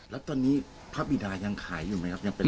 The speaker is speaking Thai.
แล้วตอนนี้พระบิดายังขายอยู่ไหมครับ